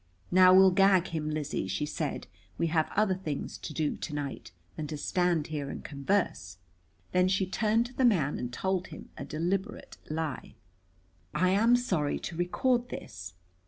"Now we'll gag him, Lizzie," she said. "We have other things to do to night than to stand here and converse." Then she turned to the man and told him a deliberate lie. I am sorry to record this.